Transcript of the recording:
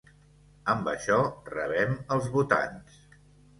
Amb això rebem els votants.